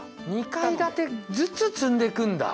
２階建てずつ積んでくんだ。